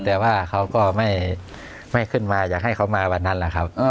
แต่ว่าเขาก็ไม่ขึ้นมาอยากให้เขามาวันนั้นแหละครับ